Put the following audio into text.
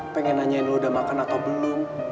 pengen nanyain lu udah makan atau belum